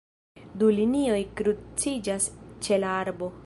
Du linioj kruciĝas ĉe la arbo.